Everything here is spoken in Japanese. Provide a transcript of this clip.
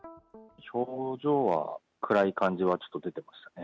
表情は、暗い感じはちょっと出てましたね。